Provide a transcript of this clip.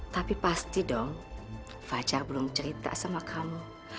tapi pasti dong fajar belum cerita sama kamu